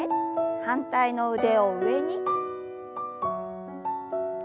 反対の腕を上に。